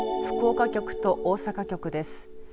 福岡局と大阪局です。